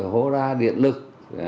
hố ga điện lực